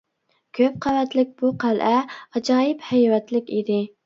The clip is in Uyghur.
كۆپ قەۋەتلىك بۇ قەلئە ئاجايىپ ھەيۋەتلىك ئىدى.